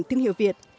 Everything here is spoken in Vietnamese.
thương hiệu việt